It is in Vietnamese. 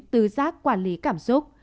tứ giác quản lý cảm xúc